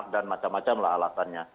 dan macam macamlah alasannya